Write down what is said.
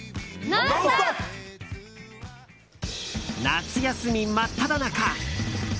夏休み真っただ中。